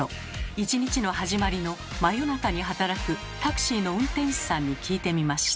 １日の始まりの真夜中に働くタクシーの運転手さんに聞いてみました。